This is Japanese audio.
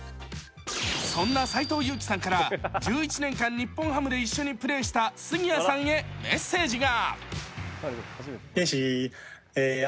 そんな斎藤佑樹さんから１１年間日本ハムで一緒にプレーした杉谷さんへメッセージが。